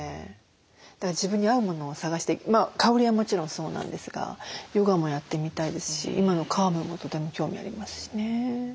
だから自分に合うものを探して香りはもちろんそうなんですがヨガもやってみたいですし今のカームもとても興味ありますしね。